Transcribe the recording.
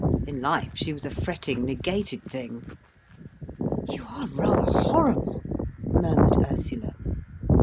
In life she was a fretting, negated thing." "You are rather horrible," murmured Ursula.